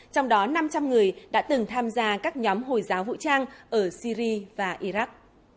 trong đó năm trăm linh người đã từng tham gia các nhóm hồi giáo vũ trang ở syri và iraq